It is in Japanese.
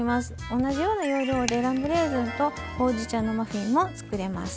同じような要領で「ラムレーズンとほうじ茶のマフィン」もつくれます。